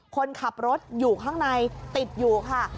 คนขับรถอยู่ข้างในติดอยู่ค่ะ